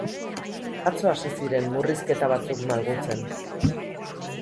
Atzo hasi ziren murrizketa batzuk malgutzen.